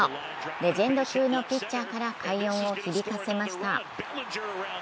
レジェンド級のピッチャーから快音を響かせました。